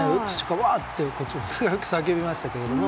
わっ！ってこっちも叫びましたけども。